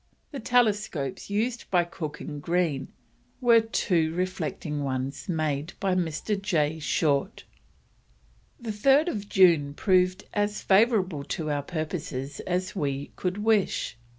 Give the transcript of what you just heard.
The telescopes used by Cook and Green were two reflecting ones made by Mr. J. Short. "The 3rd of June proved as favourable to our purposes as we could wish.